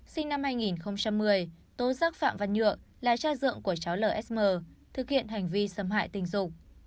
sinh năm hai nghìn một mươi tố giác phạm văn nhượng là cha ruột của cháu lsm thực hiện hành vi xâm hại tình dục